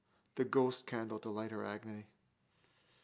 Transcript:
The ghostcandle to light her agony.